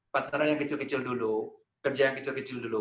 pantaran yang kecil kecil dulu kerja yang kecil kecil dulu